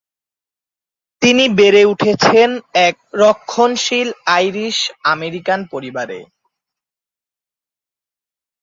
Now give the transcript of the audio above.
তিনি বেড়ে উঠেছেন এক রক্ষণশীল আইরিশ আমেরিকান পরিবারে।